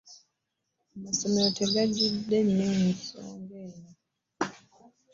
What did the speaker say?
Amasomero tegajjumbidde nnyo nsonga eno.